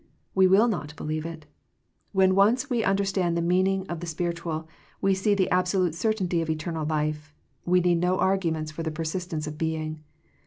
We will not believe it When once we understand the meaning of the spirit« ual, we see the absolute certainty of eter nal life; we need no arguments for the persistence of being.